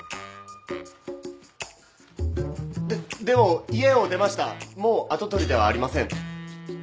でも家を出ましたもう跡取りではありません。